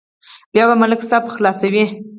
بیا به ملک صاحب خلاصوي.